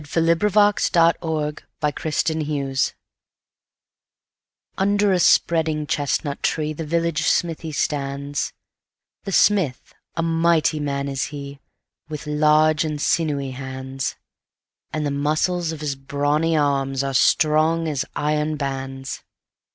The Village Blacksmith UNDER a spreading chestnut tree The village smithy stands; The smith, a mighty man is he, With large and sinewy hands; And the muscles of his brawny arm Are strong as iron bands.